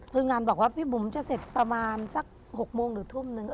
คืองานบอกว่าพี่บุ๋มจะเสร็จประมาณสัก๖โมงหรือทุ่มนึง